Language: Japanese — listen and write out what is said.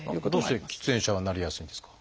どうして喫煙者はなりやすいんですか？